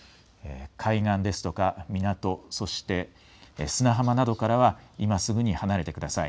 海岸ですとか港、そして砂浜などからは今すぐに離れてください。